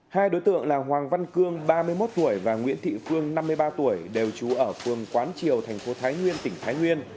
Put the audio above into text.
hai đối tượng là hoàng văn cương ba mươi một tuổi và nguyễn thị phương năm mươi ba tuổi đều trú ở phường quán triều thành phố thái nguyên tỉnh thái nguyên